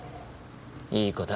いい子だ。